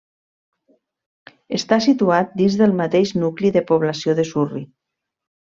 Està situat dins del mateix nucli de població de Surri.